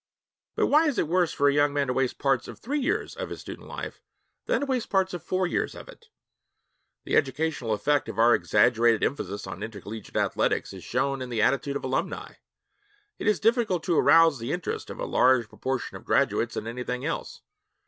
But why is it worse for a young man to waste parts of three years of his student life than to waste parts of four years of it? The educational effect of our exaggerated emphasis on intercollegiate athletics is shown in the attitude of alumni. It is difficult to arouse the interest of a large proportion of graduates in anything else.